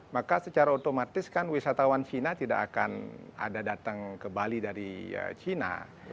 maka secara otomatis kan wisatawan china tidak akan ada datang ke bali dari cina